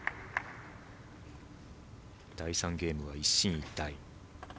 第３ゲームは一進一退。